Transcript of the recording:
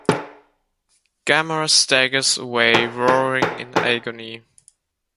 Gamera staggers away, roaring in agony.